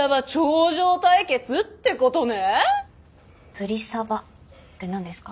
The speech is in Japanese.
ブリサバって何ですか？